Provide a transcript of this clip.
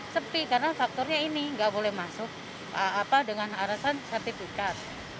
sepi karena faktornya ini nggak boleh masuk dengan alasan sertifikat